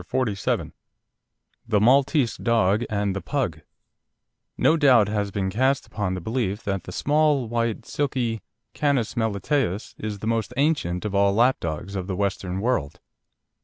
CHAPTER XLVI THE MALTESE DOG AND THE PUG No doubt has been cast upon the belief that the small, white, silky Canis Melitaeus is the most ancient of all the lap dogs of the Western world.